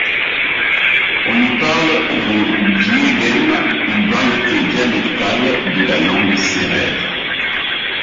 On y parle le ndiéghem, une variété dialectale de la langue sérère.